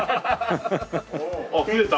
あっ増えた！